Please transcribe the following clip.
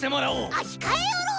あひかえおろう！